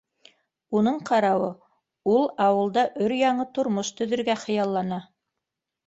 Уның ҡарауы, ул ауылда өр-яңы тормош төҙөргә хыяллана